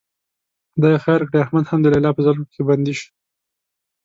خدای خیر کړي، احمد هم د لیلا په زلفو کې بندي شو.